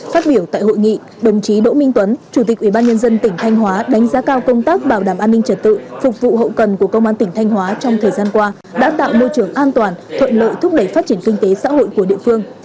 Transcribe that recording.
phát biểu tại hội nghị đồng chí đỗ minh tuấn chủ tịch ubnd tỉnh thanh hóa đánh giá cao công tác bảo đảm an ninh trật tự phục vụ hậu cần của công an tỉnh thanh hóa trong thời gian qua đã tạo môi trường an toàn thuận lợi thúc đẩy phát triển kinh tế xã hội của địa phương